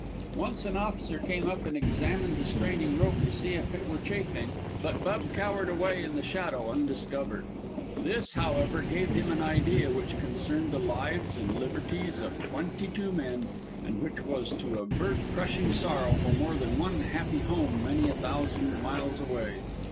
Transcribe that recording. Once an officer came up and examined the straining rope to see if it were chafing, but Bub cowered away in the shadow undiscovered. This, however, gave him an idea which concerned the lives and liberties of twenty two men, and which was to avert crushing sorrow from more than one happy home many thousand miles away.